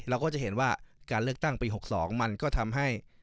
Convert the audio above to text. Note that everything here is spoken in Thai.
เราก็จะเห็นว่าการเลือกตั้งปี๖๒มันก็ทำให้